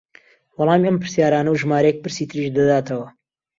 وەڵامی ئەم پرسیارانە و ژمارەیەک پرسی تریش دەداتەوە